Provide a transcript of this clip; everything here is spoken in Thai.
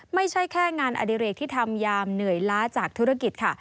ไม่ใช่แค่งานอดิเรกที่ทำยามเหนื่อยล้าจากธุรกิจค่ะ